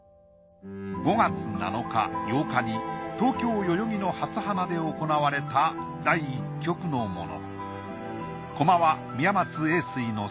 ５月７日・８日に東京・代々木の初波奈でおこなわれた第１局のもの。